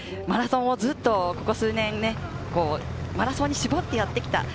マラソンをずっとここ数年、マラソンに絞ってやってきた。